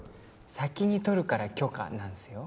先に取るから「許可」なんすよ。